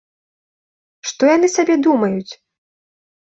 Што яны сабе думаюць?